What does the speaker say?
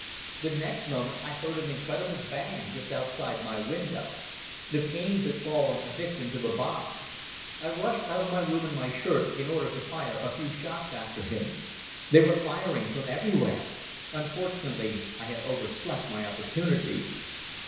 The next moment I heard an incredible bang just outside my window. The panes had fallen a victim to the bomb. I rushed out of my room in my shirt in order to fire a few shots after him. They were firing from everywhere. Unfortunately, I had overslept my opportunity.